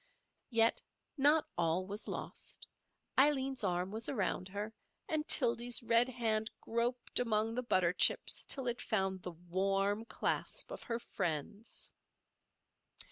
Yet not all was lost. Aileen's arm was around her; and Tildy's red hand groped among the butter chips till it found the warm clasp of her friend's.